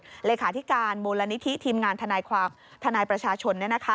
เหลือขาธิการมูลนิธิทีมงานทนายประชาชน